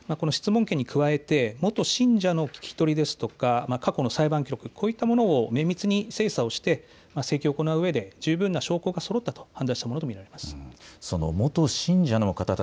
この質問権に加えて元信者の聞き取りですとか、過去の裁判案件、こういったものを綿密に精査をして請求を行う十分な証拠がそろったと見られています。